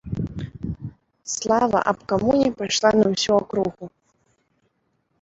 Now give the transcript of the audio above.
Слава аб камуне пайшла на ўсю акругу.